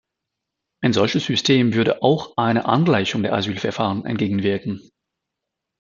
Ein solches System würde auch einer Angleichung der Asylverfahren entgegenwirken.